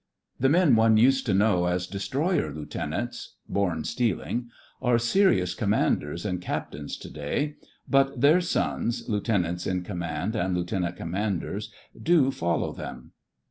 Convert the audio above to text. The men one used to know as destroyer lieutenants ("born steal 103 104 THE FRINGES OP^ THE FLEET ing") are serious Commanders and Captains to day, but their sons, Lieu tenants in command and Lieutenant Commanders, do follow them.